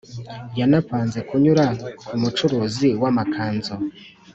yanapanze kunyura ku mucuruzi w’amakanzu